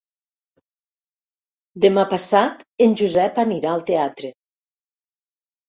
Demà passat en Josep anirà al teatre.